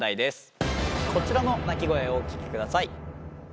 こちらの鳴き声をお聞きください。